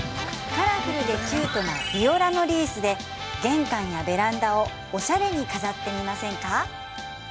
カラフルでキュートなビオラのリースで玄関やベランダをおしゃれに飾ってみませんか？